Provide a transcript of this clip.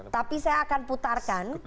tapi saya akan putarkan